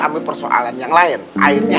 ambil persoalan yang lain akhirnya